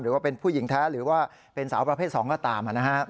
ว่าเป็นผู้หญิงแท้หรือว่าเป็นสาวประเภท๒ก็ตาม